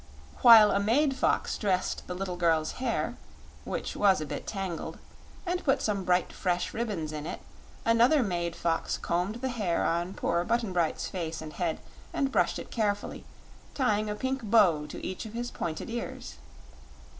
While a maid fox dressed the little girl's hair which was a bit tangled and put some bright, fresh ribbons in it, another maid fox combed the hair on poor Button Bright's face and head and brushed it carefully, tying a pink bow to each of his pointed ears.